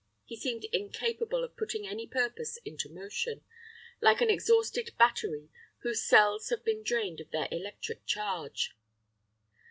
He seemed incapable of putting any purpose into motion, like an exhausted battery whose cells have been drained of their electric charge.